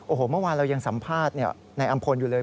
โอ้โหเมื่อวานเรายังสัมภาษณ์นายอำพลอยู่เลย